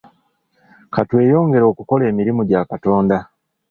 Ka tweyongere okukola emirimu gya Katonda.